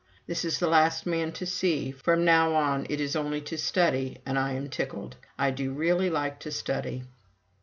This is the last man to see. From now on, it is only to study, and I am tickled. I do really like to study."